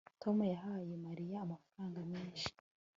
tom yahaye mariya amafaranga menshi